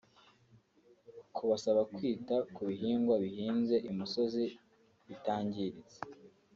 kubasaba kwita ku bihingwa bihinze imusozi bitangiritse